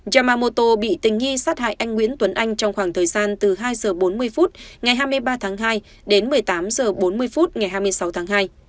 yamamoto bị tình nghi sát hại anh nguyễn tuấn anh trong khoảng thời gian từ hai h bốn mươi phút ngày hai mươi ba tháng hai đến một mươi tám h bốn mươi phút ngày hai mươi sáu tháng hai